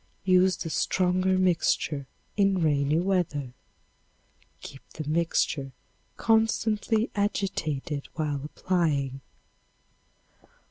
Use the stronger mixture in rainy weather. Keep the mixture constantly agitated while applying.